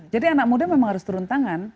jadi anak muda memang harus turun tangan